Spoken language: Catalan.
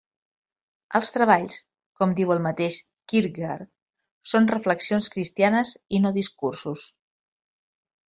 Els "Treballs", com diu el mateix Kierkegaard, són reflexions cristianes i no discursos.